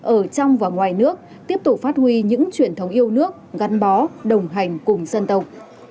ở trong và ngoài nước tiếp tục phát huy những truyền thống yêu nước gắn bó đồng hành cùng dân tộc